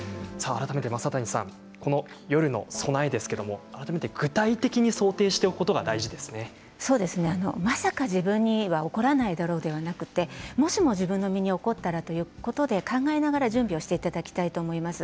正谷さん、夜の備えですが改めて具体的にまさか自分に起こらないだろうではなくもしも自分の身に起こったらということで考えながら準備をしていただきたいと思います。